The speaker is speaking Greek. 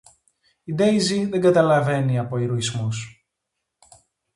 Η Ντέιζη δεν καταλαβαίνει από ηρωισμούς.